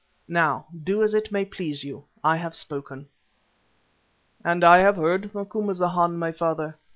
Now, do as it may please you; I have spoken." "And I have heard, Macumazana, my father.